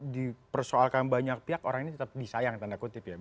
dipersoalkan banyak pihak orang ini tetap disayang tanda kutip ya